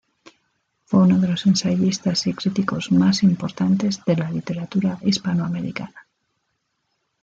Fue uno de los ensayistas y críticos más importantes de la literatura hispanoamericana.